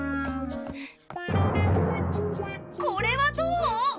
これはどう？